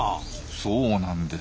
そうなんです。